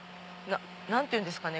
何て言うんですかね？